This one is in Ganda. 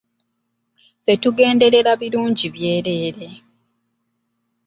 Ffe tugenderera birungi byerere.